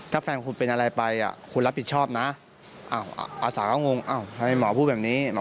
ถ้าแฟนคุณเป็นอะไรไปคุณรับผิดชอบนะอาสาก็งงอ้าวทำไมหมอพูดแบบนี้หมอ